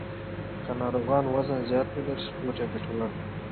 که ناروغ وزن زیات ولري، سپورت یې ګټور دی.